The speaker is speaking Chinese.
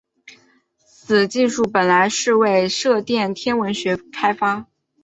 此技术本来是为射电天文学开发。